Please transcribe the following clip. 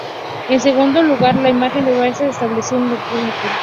En segundo lugar, la imagen de Bashar se estableció con el público.